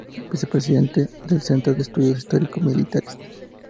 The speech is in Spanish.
Vicepresidente del Centro de Estudios Histórico-Militares.